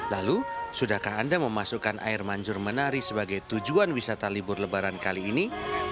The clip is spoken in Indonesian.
lalu sudahkah anda memasukkan air mancur menari sebagai tujuan wisata libur lebaran kali ini